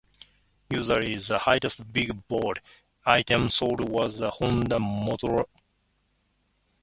Usually, the highest "Big Board" item sold was a Honda motorcycle.